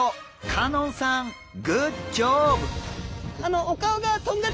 香音さんグッジョブ！